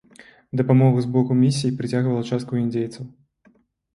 Дапамога з боку місій прыцягвала частку індзейцаў.